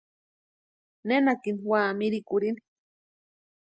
Nenakini úa mirikurhini.